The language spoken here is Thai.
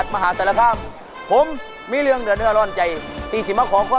ย้ำเธอมีแดดแล้วคุณโฟนตอบถูกครับ